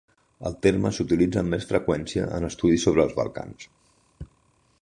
El terme s'utilitza amb més freqüència en estudis sobre els Balcans.